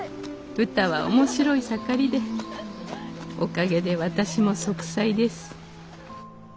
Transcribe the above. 「うたは面白い盛りでおかげで私も息災です」。